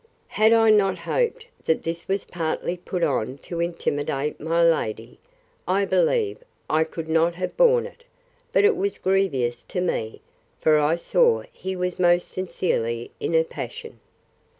Had I not hoped, that this was partly put on to intimidate my lady, I believe I could not have borne it: But it was grievous to me; for I saw he was most sincerely in a passion.